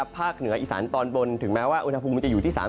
ภาคเหนืออีสานตอนบนถึงแม้ว่าอุณหภูมิจะอยู่ที่๓๐